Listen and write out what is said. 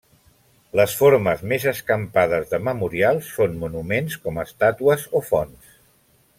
Les formes més escampades de memorials són monuments com estàtues o fonts.